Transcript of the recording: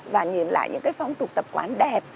và nhìn lại những cái phong tục tập quán đẹp